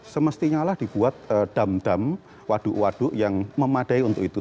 semestinya lah dibuat dam dam waduk waduk yang memadai untuk itu